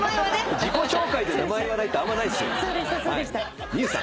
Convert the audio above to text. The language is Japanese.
自己紹介で名前言わないってあんまないっすよ。